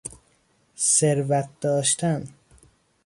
ثروت داشتن